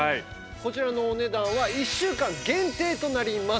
こちらのお値段は１週間限定となります。